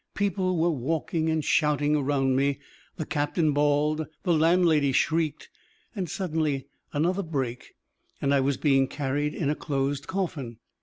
People were walking and shouting around me, the captain bawled, the landlady shrieked and suddenly another break and I was being carried in a closed coffin.